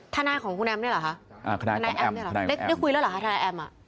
ธนายของคุณแอมนี่หรือหรือคะธนายแอมนี่หรือหรือคะได้คุยแล้วหรือคะ